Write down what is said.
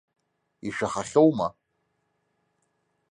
Ишәаҳахьоума.